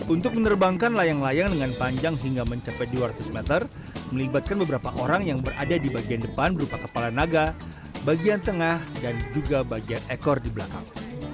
untuk menerbangkan layang layang dengan panjang hingga mencapai dua ratus meter melibatkan beberapa orang yang berada di bagian depan berupa kepala naga bagian tengah dan juga bagian ekor di belakang